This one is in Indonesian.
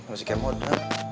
masih kemod kan